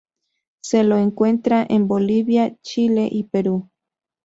Se lo encuentra en Bolivia, Chile, y Perú.